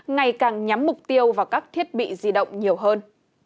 ngày càng nhắm mục tiêu vào các thiết bị di động nhiều hơn